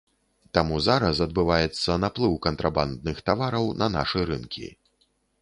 Таму зараз адбываецца наплыў кантрабандных тавараў на нашы рынкі.